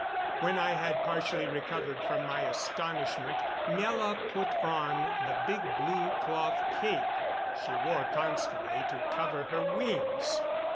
When I had partially recovered from my astonishment Miela put on the big blue cloth cape she wore constantly to cover her wings.